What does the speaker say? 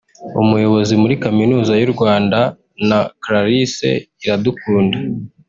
Umuyobozi muri Kaminuza y’u Rwanda na Clarisse Iradukunda